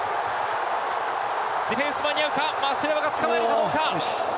ディフェンス間に合うか、松島がつかまえるかどうか。